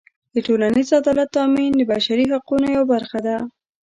د ټولنیز عدالت تأمین د بشري حقونو یوه برخه ده.